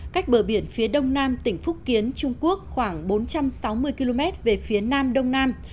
cách bờ biển phía đông nam tỉnh phúc kiến trung quốc khoảng bốn trăm sáu mươi km về phía nam đông nam